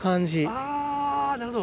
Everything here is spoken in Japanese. あぁなるほど。